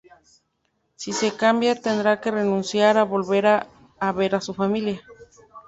Si se cambia, tendrá que renunciar a volver a ver a su familia.